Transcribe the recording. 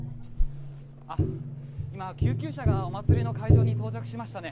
今、救急車がお祭りの会場に到着しましたね。